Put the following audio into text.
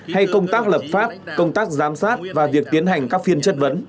hay công tác lập pháp công tác giám sát và việc tiến hành các phiên chất vấn